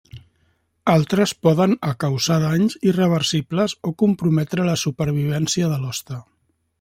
Altres poden a causar danys irreversibles o comprometre la supervivència de l'hoste.